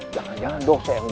jangan jangan dong sayang